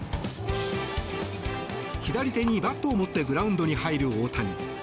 左手にバットを持ってグラウンドに入る大谷。